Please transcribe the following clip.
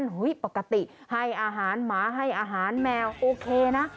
ปกติให้อาหารหมาให้อาหารแมวโอเคนะ